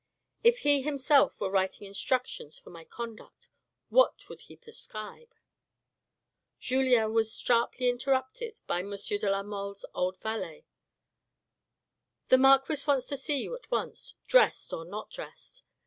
" If he himself were writing instructions for my conduct, what would he prescribe ?" Julien was sharply interrupted by M. de la Mole's old valet. " The marquis wants to see you at once, dressed or not dressed."